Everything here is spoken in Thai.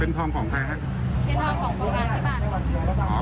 เป็นทองของประการที่บ้าน